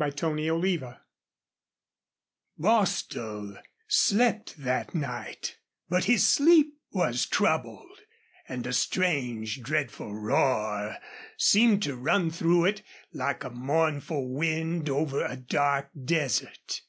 CHAPTER XII Bostil slept that night, but his sleep was troubled, and a strange, dreadful roar seemed to run through it, like a mournful wind over a dark desert.